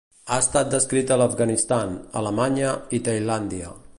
Ha estat descrita a l'Afganistan, Alemanya i Tailàndia.